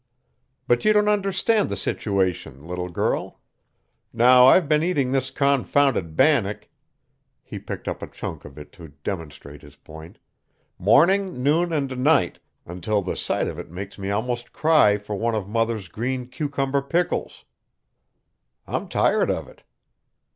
"But you don't understand the situation, little girl. Now I've been eating this confounded bannock" he picked up a chunk of it to demonstrate his point "morning, noon and night until the sight of it makes me almost cry for one of mother's green cucumber pickles. I'm tired of it.